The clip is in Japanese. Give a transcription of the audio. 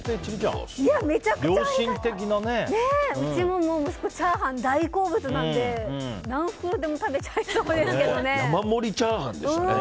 うちも息子がチャーハン大好物なので何袋でも食べちゃいそうですけどね。